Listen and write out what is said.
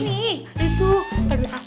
ngapain tidur di sini